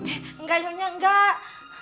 eh enggak nyonya enggak